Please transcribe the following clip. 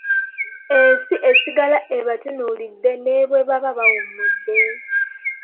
Ensi esigala ebatunuulidde ne bwe baba bawummudde.